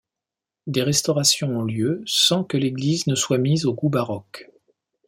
Des restaurations ont lieu sans que l'église ne soit mise au goût baroque.